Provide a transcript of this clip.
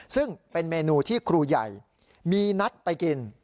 ซึ่งเป็นเมนูที่ครูใหญ่มีนัดไปกิน